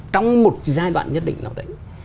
trong một giai đoạn nhất định nào đấy